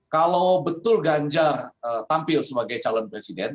kalau betul ganjar tampil sebagai calon presiden